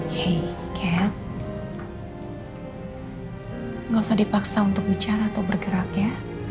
heay cat gak usah dipaksa untuk bicara atau bergerak ya